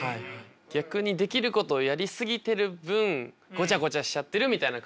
逆にできることをやり過ぎてる分ゴチャゴチャしちゃってるみたいな感じ。